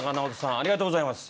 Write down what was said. ありがとうございます。